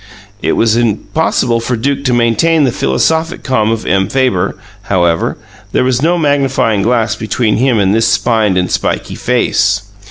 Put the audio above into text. It was impossible for Duke to maintain the philosophic calm of M. Fabre, however; there was no magnifying glass between him and this spined and spiky face.